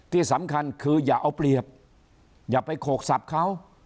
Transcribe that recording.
ที่สำคัญคืออย่าเอาเปรียบอย่าไปโขกสับเขา